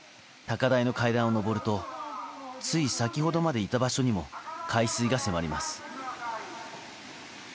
高台の階段を上るとつい先ほどまでいた場所にも海水が迫ります。